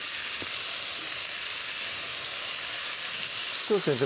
紫藤先生